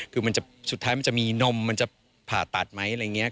คือสุดท้ายมันจะมีนมมันจะผ่าตัดไหมอะไรอย่างนี้